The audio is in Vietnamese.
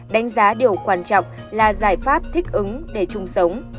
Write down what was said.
đánh giá điều quan trọng là giải pháp thích ứng để chung sống